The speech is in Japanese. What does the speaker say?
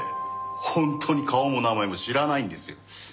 本当に顔も名前も知らないんですよ。